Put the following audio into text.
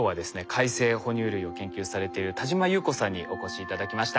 海棲哺乳類を研究されている田島木綿子さんにお越し頂きました。